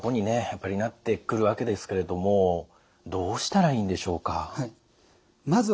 やっぱりなってくるわけですけれどもどうしたらいいんでしょうか。